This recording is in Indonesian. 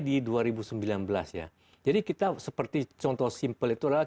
di dua ribu sembilan belas ya jadi kita seperti contoh simpel itu adalah